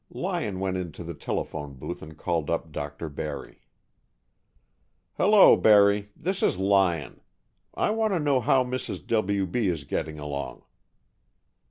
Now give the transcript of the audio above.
Lyon went into the telephone booth and called up Dr. Barry. "Hello, Barry. This is Lyon. I want to know how Mrs. W. B. is getting along."